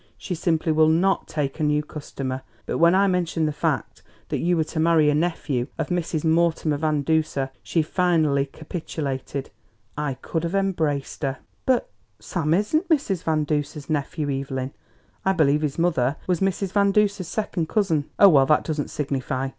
She simply will not take a new customer; but when I mentioned the fact that you were to marry a nephew of Mrs. Mortimer Van Duser she finally capitulated. I could have embraced her!" "But Sam isn't Mrs. Van Duser's nephew, Evelyn. I believe his mother was Mrs. Van Duser's second cousin." "Oh, well, that doesn't signify.